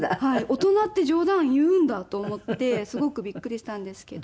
大人って冗談言うんだと思ってすごくびっくりしたんですけど。